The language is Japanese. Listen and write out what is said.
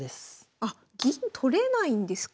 あっ銀取れないんですか。